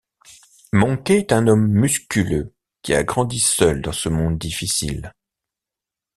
Monkey est un homme musculeux qui a grandi seul dans ce monde difficile.